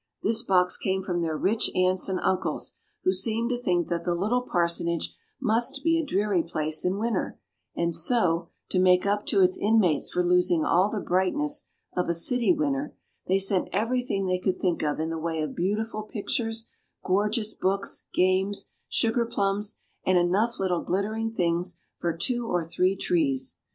This box came from their rich aunts and uncles, who seemed to think that the little parsonage must be a dreary place in winter, and so, to make up to its inmates for losing all the brightness of a city winter, they sent everything they could think of in the way of beautiful pictures, gorgeous books, games, sugar plums, and enough little glittering things for two or three trees.